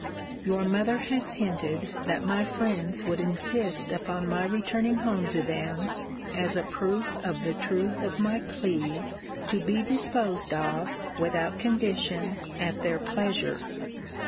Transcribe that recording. Your mother has hinted, that my friends would insist upon my returning home to them (as a proof of the truth of my plea) to be disposed of, without condition, at their pleasure.